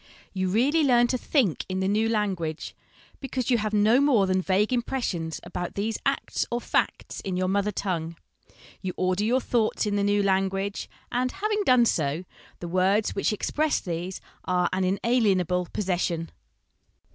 You really learn to think in the new language, 304 HOME EDUCATION because you have no more than vague impressions about these acts or facts in your mother tongue. You order your thoughts in the new language, and, having done so, the words which express these are an inalienable possession.